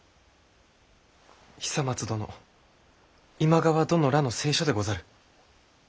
久松殿今川殿らの誓書でござる。